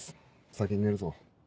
先に寝るぞ。